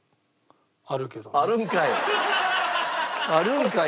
あるんかい。